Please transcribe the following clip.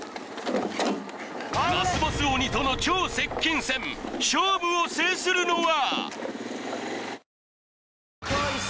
ラスボス鬼との超接近戦勝負を制するのは！？